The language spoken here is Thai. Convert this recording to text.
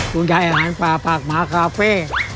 คุณใกล้อาหารป่าปากม้าคาเฟ่